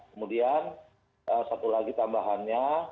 kemudian satu lagi tambahannya